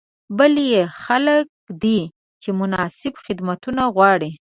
بل یې خلک دي چې مناسب خدمتونه غواړي.